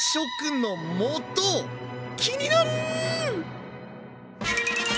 気になる！